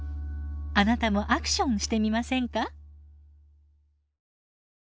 あなたもアクションしてみませんか？